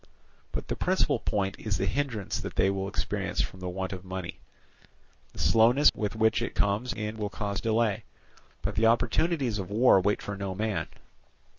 "But the principal point is the hindrance that they will experience from want of money. The slowness with which it comes in will cause delay; but the opportunities of war wait for no man.